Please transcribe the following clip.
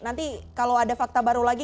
nanti kalau ada fakta baru lagi